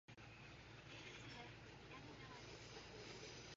Sotheby's and Christie's has become major dealers of Chinese porcelain antiques.